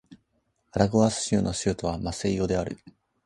アラゴアス州の州都はマセイオである